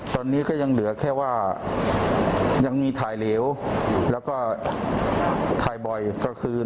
ตอนนี้ก็ยังเหลือแค่ว่ายังมีถ่ายเหลวแล้วก็ถ่ายบ่อยกลางคืน